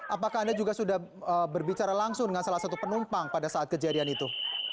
apakah anda juga sudah berbicara langsung dengan salah satu penumpang pada saat kejadian itu